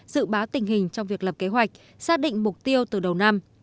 dự báo tình hình trong việc lập kế hoạch xác định mục tiêu từ đầu năm